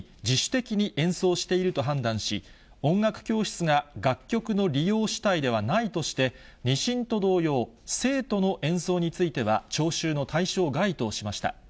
最高裁はきょうの判決で、生徒は演奏技術の向上のために、自主的に演奏していると判断し、音楽教室が楽曲の利用主体ではないとして、２審と同様、生徒の演奏については、徴収の対象外としました。